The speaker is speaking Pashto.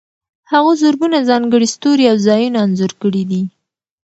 هغه زرګونه ځانګړي ستوري او ځایونه انځور کړي دي.